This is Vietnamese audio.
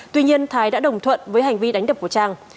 tuy nhiên thái đã đồng thuận với hành vi đánh đập của trang